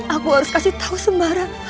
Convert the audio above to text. aku harus kasih tahu sembarang